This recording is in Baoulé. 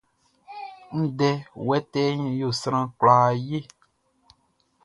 Ndɛ wɛtɛɛʼn yo sran kwlaa ye.